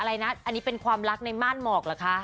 อะไรนะอันนี้เป็นความรักในม่านหมอกเหรอคะ